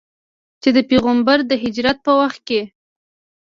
چې د پیغمبر د هجرت په وخت کې.